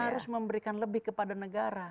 harus memberikan lebih kepada negara